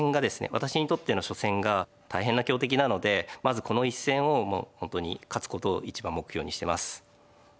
私にとっての初戦が大変な強敵なのでまずこの一戦を本当に勝つことを一番目標にしてます。